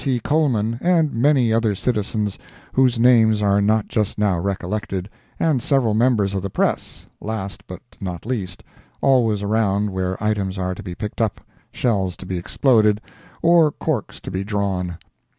T. Coleman, and many other citizens whose names are not just now recollected, and several members of the Press, last but not least, always around where items are to be picked up, shells to be exploded, or corks to be drawn.